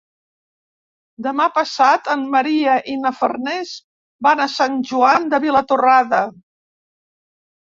Demà passat en Maria i na Farners van a Sant Joan de Vilatorrada.